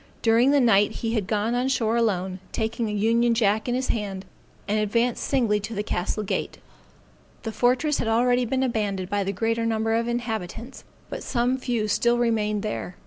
During the night he had gone on shore alone, taking an union jack in his hand, and advanced singly to the castle gate. The fortress had already been abandoned by the greater number of the inhabitants, but some few still remained there.